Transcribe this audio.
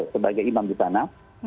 sebagai imam di sana